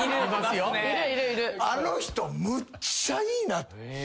あの人むっちゃいいな。